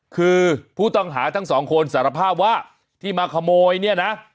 คือผู้ต้องหาทั้งสองคนสารภาพว่าที่มาขโมยเนี่ยนะ